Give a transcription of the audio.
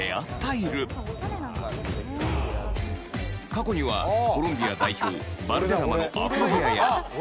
過去にはコロンビア代表バルデラマのアフロヘアや。